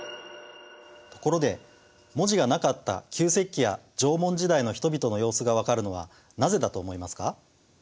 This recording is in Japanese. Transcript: ところで文字がなかった旧石器や縄文時代の人々の様子が分かるのはなぜだと思いますか？